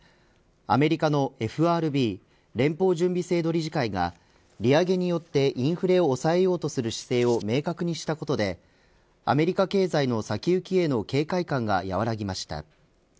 アメリカのＦＲＢ連邦準備制度理事会が利上げによってインフレを抑えようとする姿勢を明確にしたことでアメリカ経済の先行きへの警戒感が和らぎました。